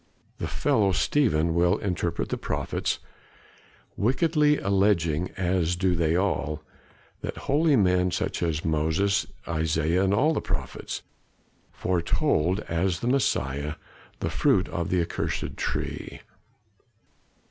The fellow Stephen will interpret the prophets, wickedly alleging as do they all that holy men, such as Moses, Isaiah, and all the prophets, foretold as the Messiah the fruit of the accursed tree."